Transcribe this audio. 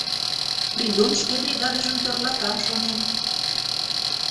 Придон шке бригадыжым тӧрлата, шонем.